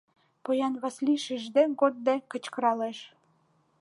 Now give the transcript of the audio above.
Поян Васлий шижде-годде кычкыралеш.